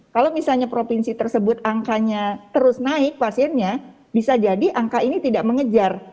kalau misalnya provinsi tersebut angkanya terus naik pasiennya bisa jadi angka ini tidak mengejar